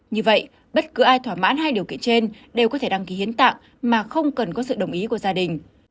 như vậy bất cứ ai thỏa mãn hai điều kiện trên đều có thể đăng ký hiến tạng mà không cần có sự đồng ý của gia đình